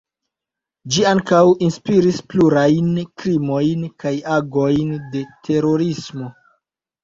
Ĝi ankaŭ inspiris plurajn krimojn kaj agojn de terorismo.